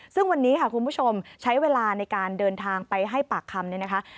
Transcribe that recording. ซึ่งวันนี้คุณผู้ชมใช้เวลาในการเดินทางไปให้ปากคำ